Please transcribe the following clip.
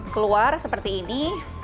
keluar seperti ini